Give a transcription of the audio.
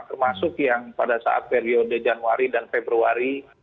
termasuk yang pada saat periode januari dan februari